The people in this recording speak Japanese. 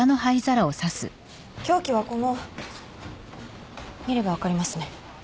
凶器はこの見れば分かりますね。